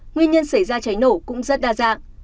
nguyên nhân xảy ra cháy nổ cũng rất đa dạng